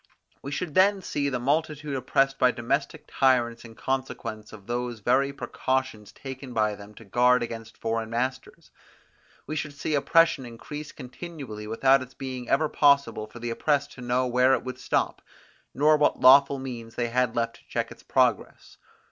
We should then see the multitude oppressed by domestic tyrants in consequence of those very precautions taken by them to guard against foreign masters. We should see oppression increase continually without its being ever possible for the oppressed to know where it would stop, nor what lawful means they had left to check its progress.